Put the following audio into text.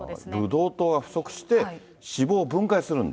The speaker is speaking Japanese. ブドウ糖が不足して、脂肪を分解するんだ。